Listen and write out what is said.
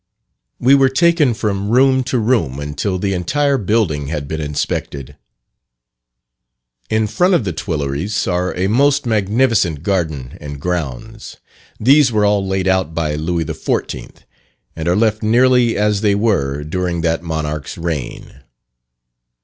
We were taken from room to room, until the entire building had been inspected. In front of the Tuileries, are a most magnificent garden and grounds. These were all laid out by Louis XIV., and are left nearly as they were during that monarch's reign.